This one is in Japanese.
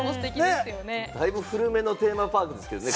だいぶ古めのテーマパークですけれどもね。